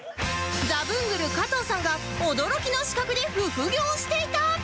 ザブングル加藤さんが驚きの資格で副業をしていた！？